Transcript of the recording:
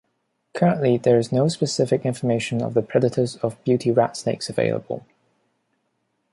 Currently, there is no specific information of the predators of beauty rat snakes available.